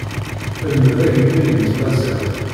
Lmed agemmay n tmaziɣt.